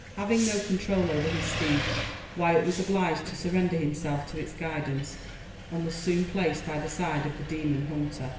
Having no control over his steed, Wyat was obliged to surrender himself to its guidance, and was soon placed by the side of the demon hunter.